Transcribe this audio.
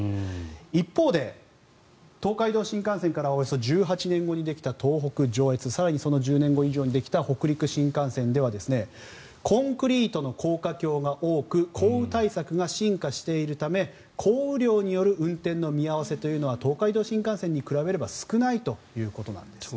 一方で東海道新幹線からおよそ１８年ぶりにできた東北、上越更にその１０年後以上にできた北陸新幹線ではコンクリートの高架橋が多く降雨対策が進化しているため降雨量による運転の見合わせというのは東海道新幹線に比べれば少ないということなんですね。